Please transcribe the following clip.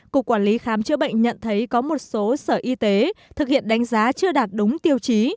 cục quản lý khám chữa bệnh nhận thấy có một số sở y tế thực hiện đánh giá chưa đạt đúng tiêu chí